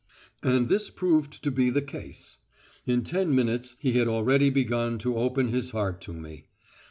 And this proved to be the case. In ten minutes he had already began to open his heart to me.